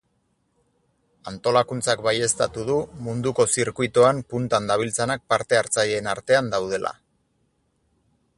Antolakuntzak baieztatu du munduko zirkuitoan puntan dabiltzanak parte hartzaileen artean daudela.